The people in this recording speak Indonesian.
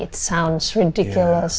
itu terdengar gila